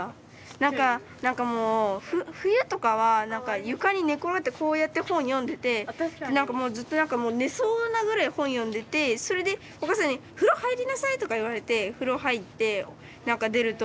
何か何かもう冬とかは何か床に寝転がってこうやって本読んでて何かもうずっと何かもう寝そうなぐらい本読んでてそれでお母さんに「風呂入りなさい」とか言われて風呂入って何か出ると。